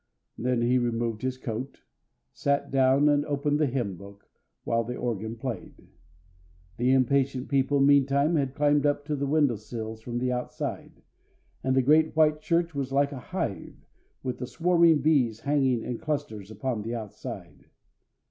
Then he removed his coat, sat down, and opened the Hymn Book, while the organ played. The impatient people meantime had climbed up to the window sills from the outside, and the great white church was like a hive, with the swarming bees hanging in clusters upon the outside.